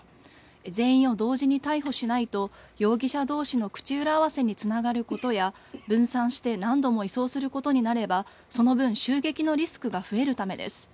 全員を同時に逮捕しないと容疑者どうしの口裏合わせにつながることや分散して何度も移送することになればその分、襲撃のリスクが増えるためです。